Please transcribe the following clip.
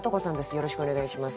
よろしくお願いします。